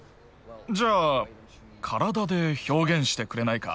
じゃあ体で表現してくれないか？